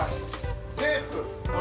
テープ？